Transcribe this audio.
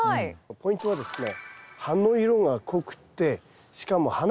ポイントはですね